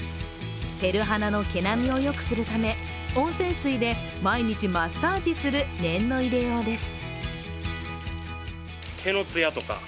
てるはなの毛並みをよくするため温泉水で毎日マッサージする念の入れようです。